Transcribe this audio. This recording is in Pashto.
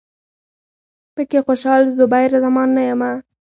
پکې خوشال، زبیر زمان نه یمه